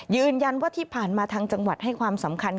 ยืนยันว่าที่ผ่านมาทางจังหวัดให้ความสำคัญ